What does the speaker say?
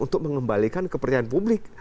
untuk mengembalikan kepercayaan publik